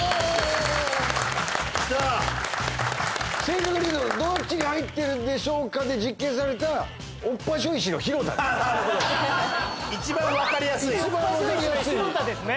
きた正確に言うとどっちに入ってるでしょーか？で実験された一番分かりやすい広田ですね